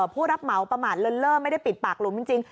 ผู้รับเหมาประมาทเลินเล่อไม่ได้ปิดปากหลุมจริง